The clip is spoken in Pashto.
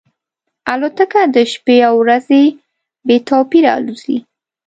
الوتکه د شپې او ورځې بې توپیره الوزي.